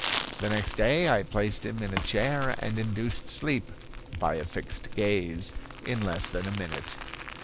"The next day I placed him in a chair and induced sleep, by a fixed gaze, in less than a minute.